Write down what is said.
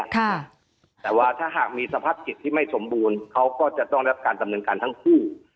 แต่ว่าถ้าหากมีสภาพจิตที่ไม่สมบูรณ์เขาก็จะต้องรับการดำเนินการทั้งคู่